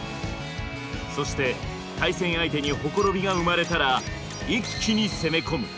そして対戦相手にほころびが生まれたら一気に攻め込む。